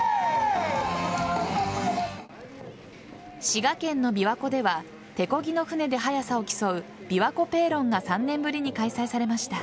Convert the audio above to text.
滋賀県の琵琶湖では手こぎの船で速さを競うびわこペーロンが３年ぶりに開催されました。